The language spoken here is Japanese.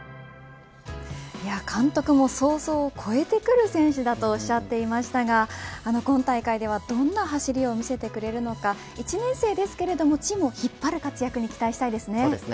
監督も想像を超えてくる選手だとおっしゃっていましたが今大会ではどんな走りを見せてくれるのか１年生ですけれど、チームを引っ張る活躍に期待したいです。